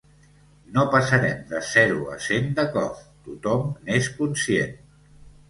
No passarem de zero a cent de cop, tothom n’és conscient.